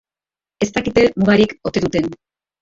Ez dakite mugarik ote duten.